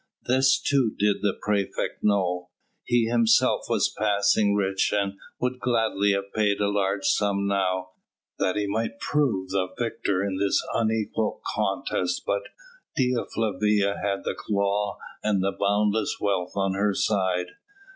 This too did the praefect know. He himself was passing rich and would gladly have paid a large sum now, that he might prove the victor in this unequal contest but Dea Flavia had the law and boundless wealth on her side.